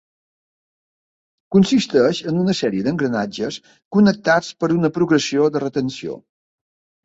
Consisteix en una sèrie d'engranatges connectats per una progressió de retenció.